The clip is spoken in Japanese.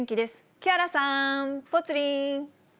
木原さん、ぽつリン。